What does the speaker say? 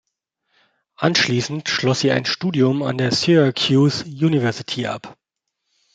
Anschließend schloss sie ein Studium an der Syracuse University ab.